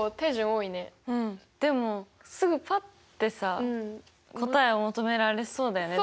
でもすぐパッてさ答えを求められそうだよね。